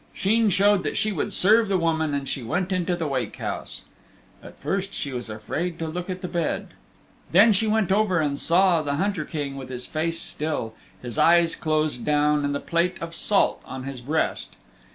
Sheen showed that she would serve the woman and she went into the wake house. At first she was afraid to look at the bed. Then she went over and saw the Hunter King with his face still, his eyes closed down, and the plate of salt on his breast.